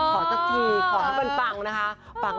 ขอที่จะเป็นปังนะคะ